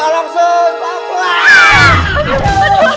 pak langsung pelan pelan